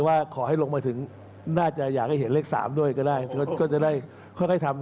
ว่าขอให้ลงมาถึงน่าจะอยากให้เห็นเลข๓ด้วยก็ได้ก็จะได้ค่อยทำ